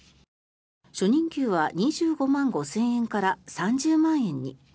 初任給は２５万５０００円から３０万円に。